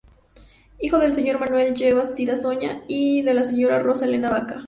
Hijo del señor Manuel J. Bastidas Oña y de la Señora Rosa Elena Vaca.